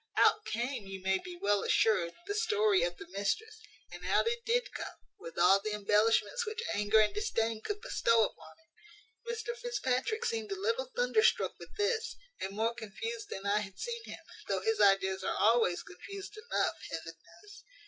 Out came, you may be well assured, the story of the mistress; and out it did come, with all the embellishments which anger and disdain could bestow upon it. "Mr Fitzpatrick seemed a little thunderstruck with this, and more confused than I had seen him, though his ideas are always confused enough, heaven knows.